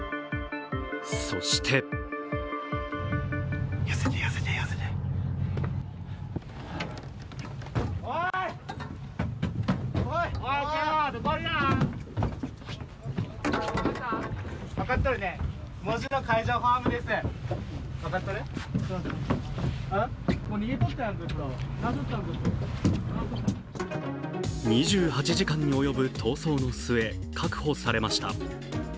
そして２８時間に及ぶ逃走の末、確保されました。